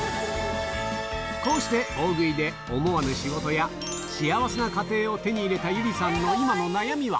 こうして大食いで、思わぬ仕事や幸せな家庭を手に入れた友梨さんの今の悩みは。